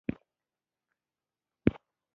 د سترګو د پاکوالي لپاره د ګلاب او اوبو څاڅکي وکاروئ